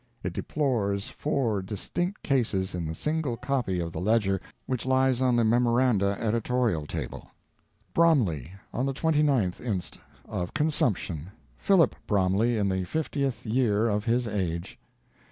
(It deplores four distinct cases in the single copy of the _Ledger _which lies on the Memoranda editorial table): Bromley. On the 29th inst., of consumption, Philip Bromley, in the 50th year of his age.